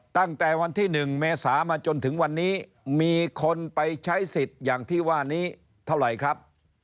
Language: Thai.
ตั้งแต่วันที่๑เมษามาจนถึงวันนี้มีคนไปใช้สิทธิ์อย่างที่ว่านี้เท่าไหร่ครับ